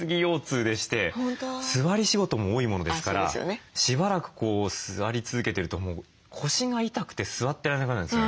座り仕事も多いものですからしばらく座り続けてるともう腰が痛くて座ってられなくなるんですよね。